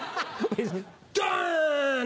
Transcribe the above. ドン！